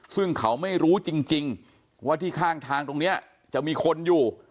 ซึ่งเขาไม่รู้จริงว่าที่ข้างทางตรงนี้จะมีคนอยู่